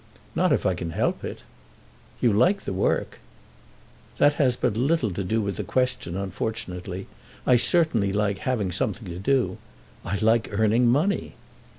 "Not if I can help it." "You like the work." "That has but little to do with the question, unfortunately. I certainly like having something to do. I like earning money."